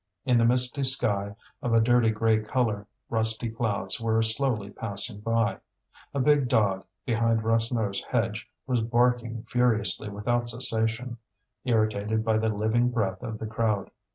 In the misty sky, of a dirty grey colour, rusty clouds were slowly passing by. A big dog, behind Rasseneur's hedge, was barking furiously without cessation, irritated by the living breath of the crowd.